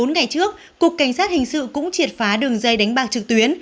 bốn ngày trước cục cảnh sát hình sự cũng triệt phá đường dây đánh bạc trực tuyến